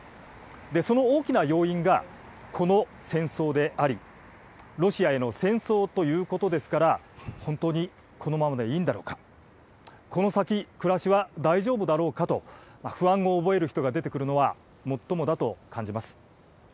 その大きな要因が、この戦争であり、ロシアへの戦争ということですから、本当にこのままでいいんだろうか、この先、暮らしは大丈夫だろうかと、不安を覚える人が出てくるのはもっともだと感じます。